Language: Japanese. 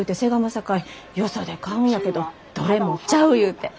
さかいよそで買うんやけどどれもちゃう言うて。